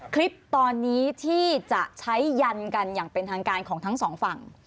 คลิปตอนนี้ที่จะใช้ยันกันอย่างเป็นทางการของทั้งสองฝั่ง